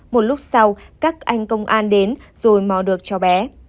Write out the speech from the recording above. một lúc sau các anh công an đến rồi mò được cho bé